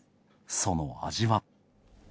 その味は？